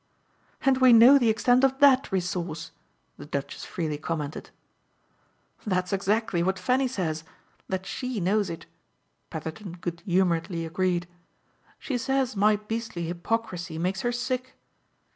"And we know the extent of THAT resource!" the Duchess freely commented. "That's exactly what Fanny says that SHE knows it," Petherton good humouredly agreed. "She says my beastly hypocrisy makes her sick.